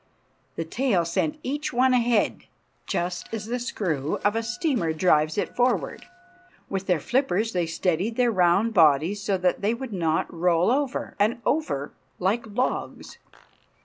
The tail sent each one ahead, just as the screw of a steamer drives it forward. With their flippers they steadied their round bodies so that they would not roll over and over like logs.